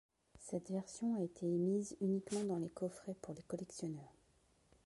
Cette version a été émise uniquement dans les coffrets pour les collectionneurs.